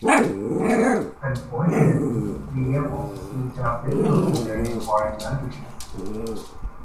Unfortunately, Liam also seems to have difficulty learning foreign languages.